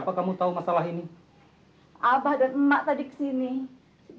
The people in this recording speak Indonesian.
petugas yang membawa rostw